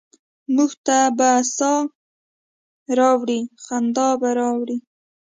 موږ ته به سا ه راوړي، خندا به راوړي؟